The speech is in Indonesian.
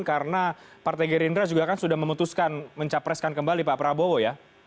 karena partai gerindra juga kan sudah memutuskan mencapreskan kembali pak prabowo ya